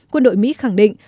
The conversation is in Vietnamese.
quân đội mỹ khẳng định